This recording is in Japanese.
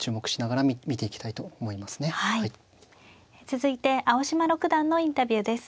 続いて青嶋六段のインタビューです。